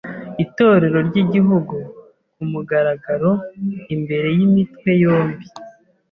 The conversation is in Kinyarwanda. ITORERO RY’IGIHUGU ku mugaragaro, imbere y’imitwe yombi